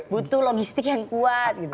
butuh logistik yang kuat gitu